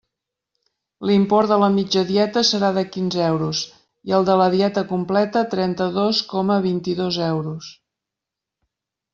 L'import de la mitja dieta serà de quinze euros, i el de la dieta completa trenta-dos coma vint-i-dos euros.